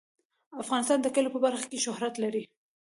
افغانستان د کلیو په برخه کې شهرت لري.